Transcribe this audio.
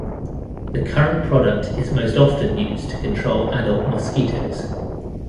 The current product is most often used to control adult mosquitoes.